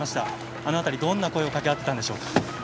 あの辺り、どんな声をかけ合っていたんでしょうか。